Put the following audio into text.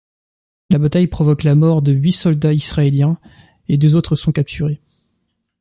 La bataille provoque la mort de huit soldats israéliens et deux autres sont capturés.